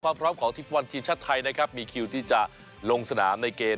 ความพร้อมของทีมชาติไทยนะครับมีคิวที่จะลงสนามในเกณฑ์